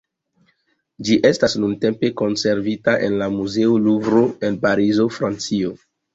Ĝi estas nuntempe konservita en la Muzeo Luvro en Parizo, Francio.